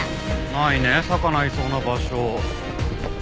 ないね魚いそうな場所。